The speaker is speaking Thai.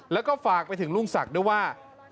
แล้วก็ฝากไปถึงลุงศักดิ์ด้วยว่า